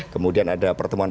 kemudian ada pertemuan